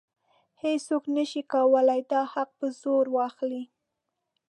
هیڅوک نشي کولی دا حق په زور واخلي.